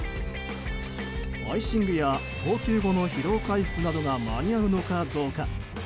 アイシングや投球後の疲労回復などが間に合うのかどうか。